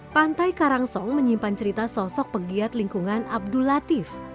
pantai karangsong menyimpan cerita sosok pegiat lingkungan abdul latif